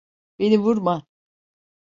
Beni vurma.